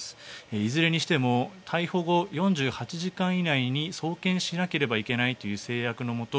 いずれにしても逮捕後４８時間以内に送検しなければいけないという制約のもと